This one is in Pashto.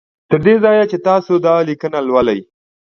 تر دې ځایه چې تاسو دا لیکنه لولی